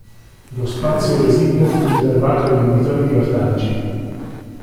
Lo spazio residuo fu riservato ai venditori di ortaggi.